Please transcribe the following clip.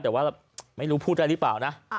แต่ว่าไม่รู้พูดได้หรือเปล่านะ